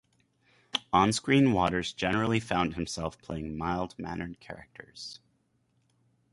On screen Waters generally found himself playing mild mannered characters.